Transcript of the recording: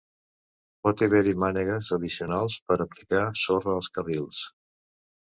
Pot haver-hi mànegues addicionals per aplicar sorra als carrils.